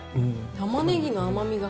タマネギの甘みが。